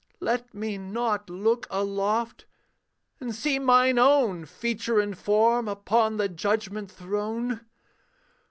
Let me not look aloft and see mine own Feature and form upon the Judgment throne.'